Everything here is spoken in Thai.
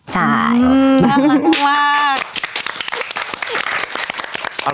ใช่อืมมากมากมากมาก